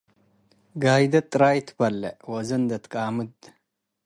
ጋይዳት ጥራይ በሌዕ - መአዜ እንዴ ቃምድ፣